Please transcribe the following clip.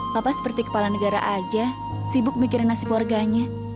papa seperti kepala negara aja sibuk mikirin nasib warganya